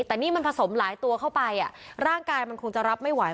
แต่นี่มันผสมหลายตัวเข้าไปร่างกายมันคงจะรับไม่ไหว